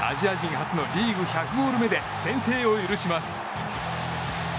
初のリーグ１００ゴール目で先制を許します。